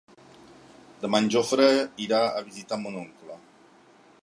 Demà en Jofre irà a visitar mon oncle.